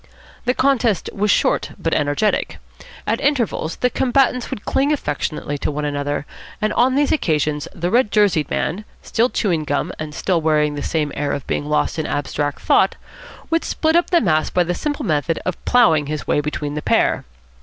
The contest was short but energetic. At intervals the combatants would cling affectionately to one another, and on these occasions the red jerseyed man, still chewing gum and still wearing the same air of being lost in abstract thought, would split up the mass by the simple method of ploughing his way between the pair.